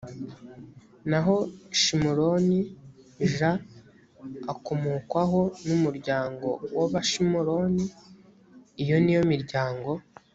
naho shimuroni j akomokwaho n umuryango w abashimuroni iyo ni yo miryango